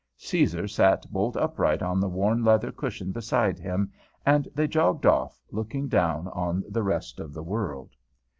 Caesar sat bolt upright on the worn leather cushion beside him, and they jogged off, looking down on the rest of the world.